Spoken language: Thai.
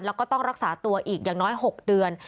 แล้วก็ต้องรักษาตัวอีกอย่างน้อย๖เดือน